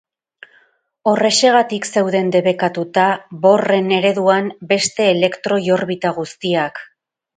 Horrexegatik zeuden debekatuta Bohrren ereduan beste elektroi-orbita guztiak.